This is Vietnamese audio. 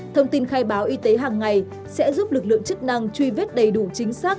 thông tin khai báo y tế hàng ngày sẽ giúp lực lượng chức năng truy vết đầy đủ chính xác